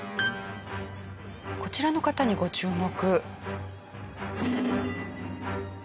こちらの方にご注目。